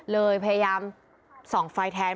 เลยพยายามส่องไฟแทน